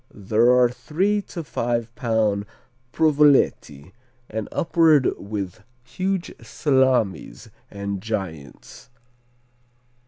There are three to five pound Provoletti, and upward with huge Salamis and Giants.